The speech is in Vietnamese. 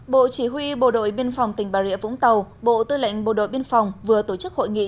bộ chỉ huy bộ đội biên phòng tỉnh bà rịa vũng tàu bộ tư lệnh bộ đội biên phòng vừa tổ chức hội nghị